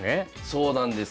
そうなんです。